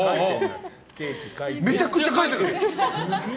めちゃくちゃ書いてる！